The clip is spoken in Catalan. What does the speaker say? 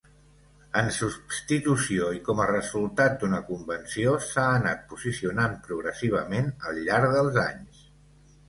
En substitució i com a resultat d'una convenció, s'ha anat posicionant progressivament al llarg dels anys.